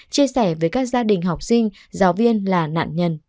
chia sẻ với các gia đình học sinh giáo viên là nạn nhân